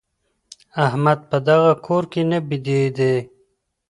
احمد په دغه کور کي نه بېدېدی.